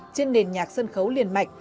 trên nền nhạc sân khấu liền mạch